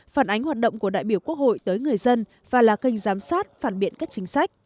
phản ánh hoạt động của đại biểu quốc hội tới người dân và là kênh giám sát phản biện các chính sách